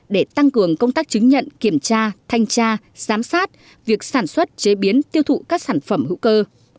để tăng cường công tác chứng nhận kiểm tra thanh tra giám sát việc sản xuất chế biến tiêu thụ các sản phẩm hữu cơ